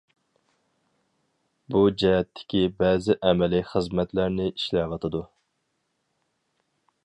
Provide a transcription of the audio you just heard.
بۇ جەھەتتىكى بەزى ئەمەلىي خىزمەتلەرنى ئىشلەۋاتىدۇ.